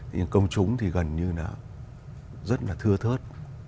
nhưng công chúng thì gần như là rất là thưa thớt